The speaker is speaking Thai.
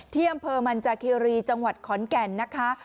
ที่อำเภอมันจากคีรีจังหวัดขอนแก่นนะคะ